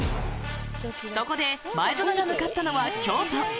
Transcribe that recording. そこで前園が向かったのは京都。